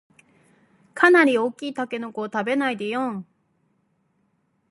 かなり大きいタケノコを食べないでよん